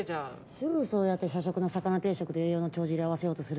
すぐそうやって社食の魚定食で栄養の帳尻合わせようとする。